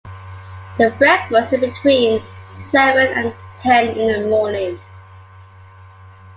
The breakfast is between seven and ten in the morning.